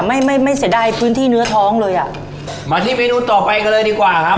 ไม่ไม่เสียดายพื้นที่เนื้อท้องเลยอ่ะมาที่เมนูต่อไปกันเลยดีกว่าครับ